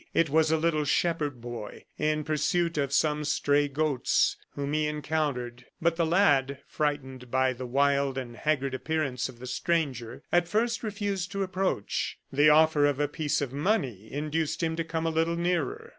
It was a little shepherd boy, in pursuit of some stray goats, whom he encountered; but the lad, frightened by the wild and haggard appearance of the stranger, at first refused to approach. The offer of a piece of money induced him to come a little nearer.